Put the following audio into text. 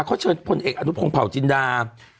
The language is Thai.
เขาเชิญพลเอกอโหนุพงภาวจินดา